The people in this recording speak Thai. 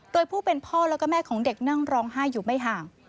โดยผู้เป็นพ่อแล้วก็แม่ของเด็กนั่งร้องไห้อยู่ไม่ห่าง